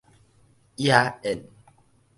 野宴